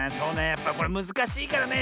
やっぱりこれむずかしいからね